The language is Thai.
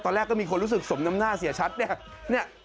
ตอนแรกก็มีคนรู้สึกสมน้ำหน้าเสียชัดเนี่ย